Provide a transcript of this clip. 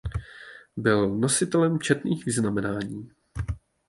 Byl nositelem četných vyznamenání.